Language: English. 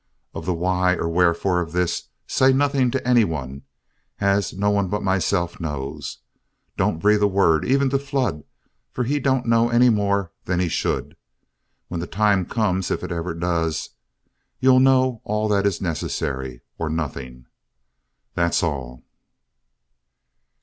Of the why or wherefore of this, say nothing to any one, as no one but myself knows. Don't breathe a word even to Flood, for he don't know any more than he should. When the time comes, if it ever does, you'll know all that is necessary or nothing. That's all."